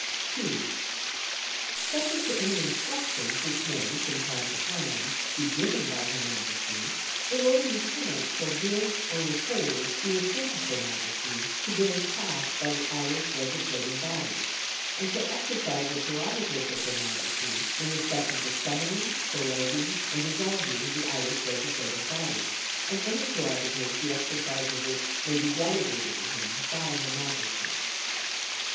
(2.) Subject to any instructions which may from time to time be given by Her Majesty, the Lord Lieutenant shall give or withhold the assent of Her Majesty to bills passed by the Irish legislative body, and shall exercise the prerogatives of Her Majesty in respect of the summoning, proroguing, and dissolving of the Irish legislative body, and any prerogatives the exercise of which may be delegated to him by Her Majesty.